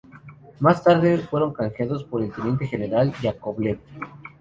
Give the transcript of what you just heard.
Más tarde fueron canjeados por el Teniente-General Yákovlev.